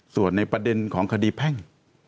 ส่วนในประเด็นของคดีแพ่ง